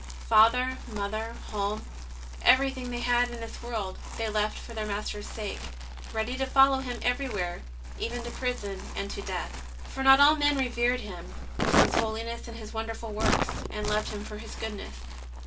Father, mother, home, everything they had in this world, they left for their Master's sake, ready to follow Him everywhere, even to prison and to death. For not all men revered Him for His holiness and wonderful works, and loved Him for His goodness.